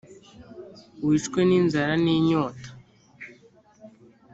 wicwe n’inzara n’inyota,